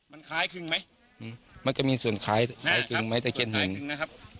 มันคล้ายคืนไหมมันก็มีส่วนคล้ายคืนไหมตะเคียนหินนะครับ